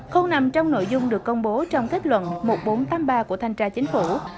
không nằm trong nội dung được công bố trong kết luận một nghìn bốn trăm tám mươi ba của thanh tra chính phủ